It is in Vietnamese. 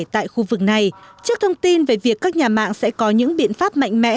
tại khu vực này trước thông tin về việc các nhà mạng sẽ có những biện pháp mạnh mẽ